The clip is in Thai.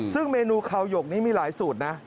ซึ่งเมนูคาวหยกนี้มีหลายสูตรนะ